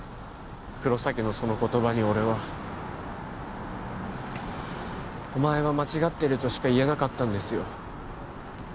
黒崎のその言葉に俺はお前は間違ってるとしか言えなかったんですよ